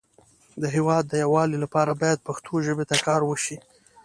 د هیواد د یو والی لپاره باید پښتو ژبې ته کار وشی